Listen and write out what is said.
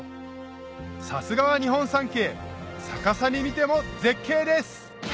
さすがは日本三景逆さに見ても絶景です！